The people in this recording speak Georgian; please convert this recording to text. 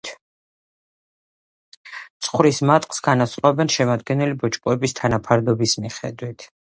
ცხვრის მატყლს განასხვავებენ შემადგენელი ბოჭკოების თანაფარდობის მიხედვით.